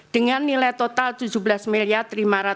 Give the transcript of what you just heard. dengan nilai total tujuh belas miliat